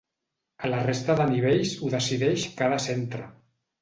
A la resta de nivells ho decideix cada centre.